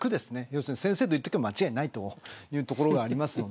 要するに先生と言っておけば間違いないというのもあります。